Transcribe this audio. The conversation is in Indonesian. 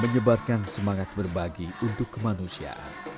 menyebarkan semangat berbagi untuk kemanusiaan